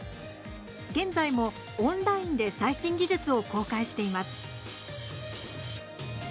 現在もオンラインで最新技術を公開しています。